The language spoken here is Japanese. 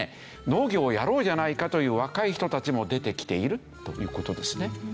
農業をやろうじゃないかという若い人たちも出てきているという事ですね。